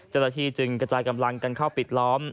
จัดละทีจึงกระจายกำลังการเข้าปิดล้อม